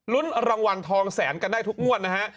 รางวัลทองแสนกันได้ทุกงวดนะฮะ